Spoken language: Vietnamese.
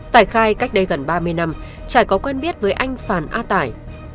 tải khai cách đây gần ba mươi năm trải có quen biết với anh phan a tải